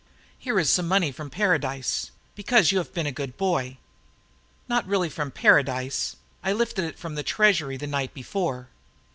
"Here is some money from paradise, because you have been a good boy." Not really from paradise I had lifted it from the treasury the night before.